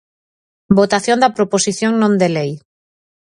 Votación da Proposición non de lei.